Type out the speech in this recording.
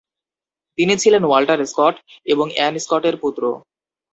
তিনি ছিলেন Walter Scott এবং অ্যান স্কটের পুত্র।